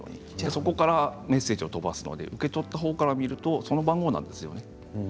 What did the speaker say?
そこからメッセージを飛ばして受け取った方から見るとその番号なんですよね。